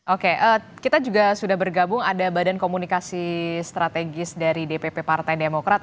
oke kita juga sudah bergabung ada badan komunikasi strategis dari dpp partai demokrat